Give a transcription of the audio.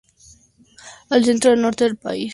Al centro norte del país sudamericano de Venezuela.